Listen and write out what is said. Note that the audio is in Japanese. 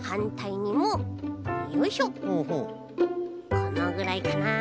このぐらいかな。